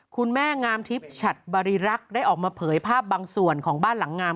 คุณแม่งามทิพย์ฉัดบริรักษ์ได้ออกมาเผยภาพบางส่วนของบ้านหลังงาม